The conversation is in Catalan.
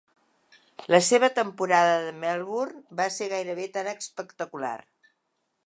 La seva temporada de Melbourne va ser gairebé tan espectacular.